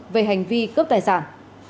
về hành vi cướp tài sản